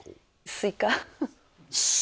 スイカ？